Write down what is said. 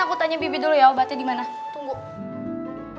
aku tanya bibi dulu ya obatnya di mana